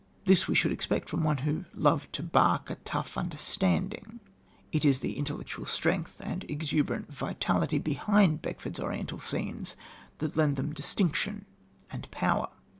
This we should expect from one who "loved to bark a tough understanding." It is the intellectual strength and exuberant vitality behind Beckford's Oriental scenes that lend them distinction and power.